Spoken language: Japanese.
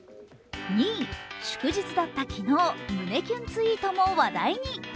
２位、祝日だった昨日、胸キュンツイートも話題に。